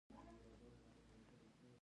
لوگر د افغانانو د ژوند طرز اغېزمنوي.